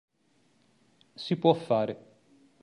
Si può fare